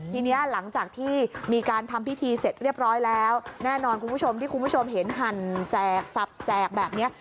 ทีนี้หลังจากที่มีการทำพิธีเสร็จเรียบร้อยแล้วแน่นอนคุณผู้ชมที่คุณผู้ชมเห็นหั่นแจกสับแจกแบบนี้